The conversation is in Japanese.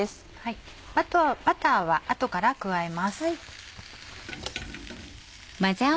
バターは後から加えます。